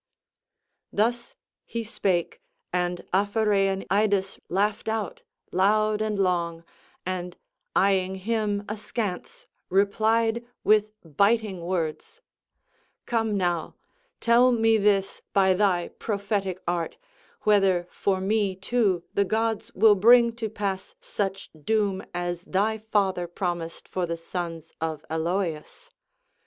Thus he spake, and Aphareian Iclas laughed out, loud and long, and eyeing him askance replied with biting words: "Come now, tell me this by thy prophetic art, whether for me too the gods will bring to pass such doom as thy father promised for the sons of Aloeus.